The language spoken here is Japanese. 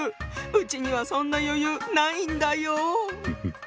うちにはそんな余裕ないんだよ。